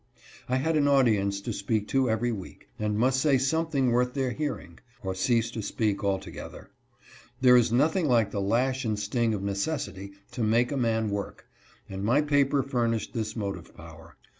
I had an audience to speak to every week, and must say something worth their hearing, or cease to speak altogether. There is nothing like the lash and sting of necessity to make a man work, and my paper furnished this motive power.